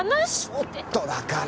ちょっとだから。